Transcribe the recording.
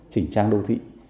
chỉnh trang đô thị